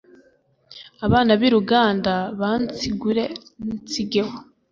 abana b’i ruganda bansigure nsigeho.